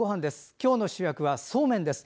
今日の主役はそうめんです。